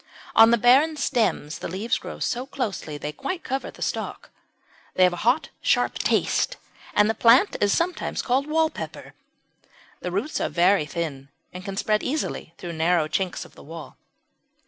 On the barren stems the leaves grow so closely that they quite cover the stalk. They have a hot sharp taste, and the plant is sometimes called "Wall Pepper." The roots are very thin and can spread easily through narrow chinks of the wall.